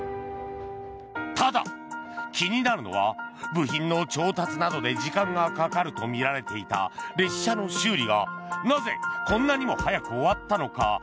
ただ、気になるのは部品の調達などで時間がかかるとみられていた列車の修理がなぜ、こんなにも早く終わったのか。